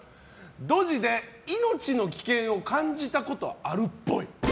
ドジで命の危険を感じたことがあるっぽい。